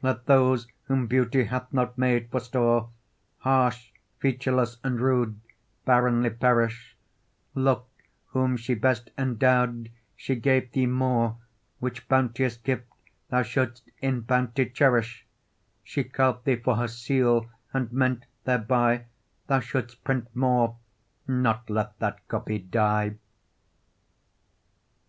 Let those whom nature hath not made for store, Harsh, featureless, and rude, barrenly perish: Look, whom she best endow'd, she gave thee more; Which bounteous gift thou shouldst in bounty cherish: She carv'd thee for her seal, and meant thereby, Thou shouldst print more, not let that copy die.